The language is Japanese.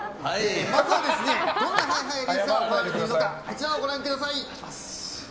まずはどんなハイハイレースが行われているのかご覧ください。